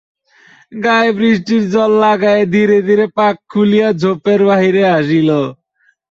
গায়ে বৃষ্টির জল লাগায় ধীরে ধীরে পাক খুলিয়া ঝোপের বাহিরে আসিল।